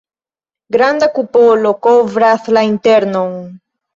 Granda kupolo kovras la internon.